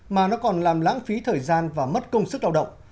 mà nó còn làm lãng phí thời gian và mất công sức lao động